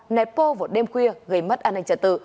nẹp bô vào đêm khuya gây mất an ninh trật tự